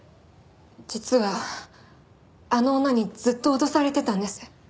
実はあの女にずっと脅されていたんです。